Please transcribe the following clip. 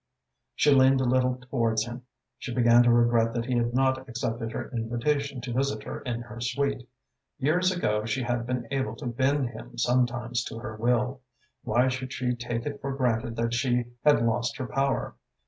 She leaned a little towards him. She began to regret that he had not accepted her invitation to visit her in her suite. Years ago she had been able to bend him sometimes to her will. Why should she take it for granted that she had lost her power?